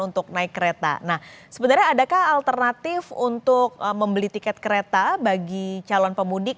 untuk naik kereta nah sebenarnya adakah alternatif untuk membeli tiket kereta bagi calon pemudik